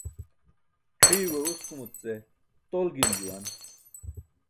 C̣ʰiyuwe uskumuc ce tol gim juwan.